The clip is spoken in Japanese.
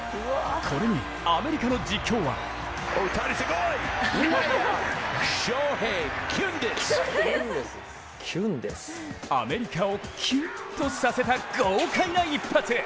これにアメリカの実況はアメリカをキュンとさせた豪快な一発。